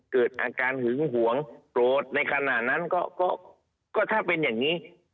เกิดอาการหึงหวงโกรธในขณะนั้นก็ถ้าเป็นอย่างนี้